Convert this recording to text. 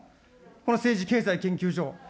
この政治経済研究所。